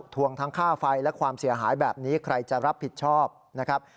ทวงทั้งค่าไฟและความเสียหายแบบนี้ใครจะรับผิดชอบนะครับ